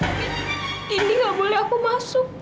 tapi ini gak boleh aku masuk